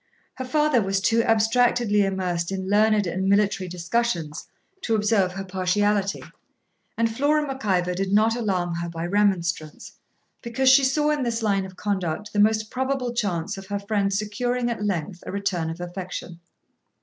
Her father was too abstractedly immersed in learned and military discussions to observe her partiality, and Flora Mac Ivor did not alarm her by remonstrance, because she saw in this line of conduct the most probable chance of her friend securing at length a return of affection.